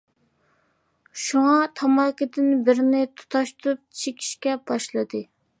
شۇڭا، تاماكىدىن بىرنى تۇتاشتۇرۇپ چېكىشكە باشلىدى.